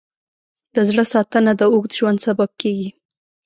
د زړه ساتنه د اوږد ژوند سبب کېږي.